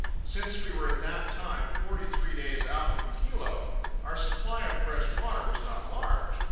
Since we were at that time forty three days out from Hilo, our supply of fresh water was not large.